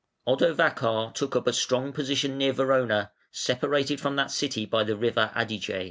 Odovacar took up a strong position near Verona, separated from that city by the river Adige.